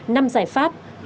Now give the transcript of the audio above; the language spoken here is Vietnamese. năm giải pháp